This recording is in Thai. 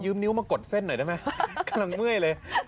นิ้วมากดเส้นหน่อยได้ไหมกำลังเมื่อยเลย